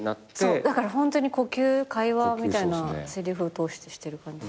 だからホントに呼吸会話みたいなせりふを通してしてる感じ。